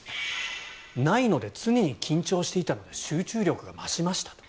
ないので常に緊張していたので集中力が増しました。